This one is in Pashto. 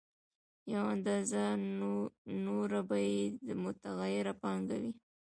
یوه اندازه نوره به یې متغیره پانګه وي